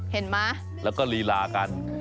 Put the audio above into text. มั้ยแล้วก็ลีลากัน